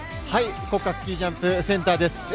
はい、国家スキージャンプセンターです